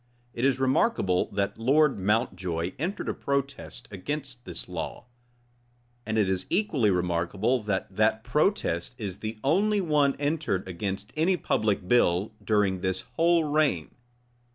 It is remarkable, that Lord Mountjoy entered a protest against this law; and it is equally remarkable that that protest is the only one entered against any public bill during this whole reign.